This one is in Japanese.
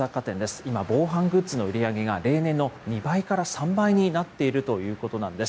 今、防犯グッズの売り上げが例年の２倍から３倍になっているということなんです。